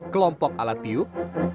kelompok alat tiup